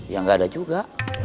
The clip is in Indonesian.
ya gak ada juga